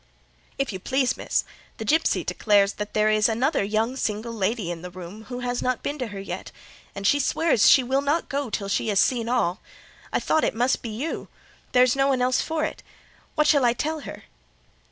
"If you please, miss, the gipsy declares that there is another young single lady in the room who has not been to her yet, and she swears she will not go till she has seen all. I thought it must be you: there is no one else for it. What shall I tell her?"